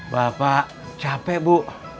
bapak capek bu